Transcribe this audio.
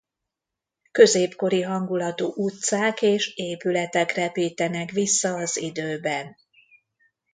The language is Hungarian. Középkori hangulatú utcák és épületek repítenek vissza az időben.